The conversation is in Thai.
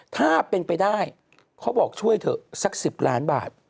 ถ้าเป็นไปได้เขาบอกช่วยเถอะสัก๑๐ล้านบาท